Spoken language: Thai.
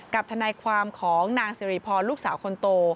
ทนายความของนางสิริพรลูกสาวคนโต